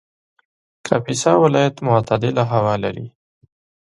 کاپیسا ولایت معتدله هوا لري